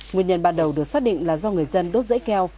nguyên nhân ban đầu được xác định là do người dân đốt rẫy keo